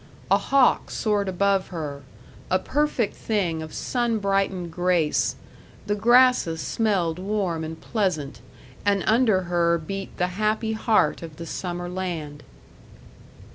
A hawk soared above her, a perfect thing of sun brightened grace, the grasses smelled warm and pleasant, and under her beat the happy heart of the summer land.